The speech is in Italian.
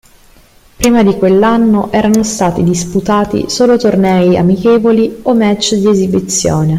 Prima di quell'anno erano stati disputati solo tornei amichevoli o match di esibizione.